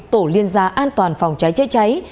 tổ liên gia an toàn phòng cháy cháy cháy